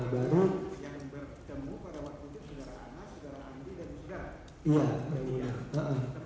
baru yang bertemu pada waktu itu saudara anas saudara andi dan saudara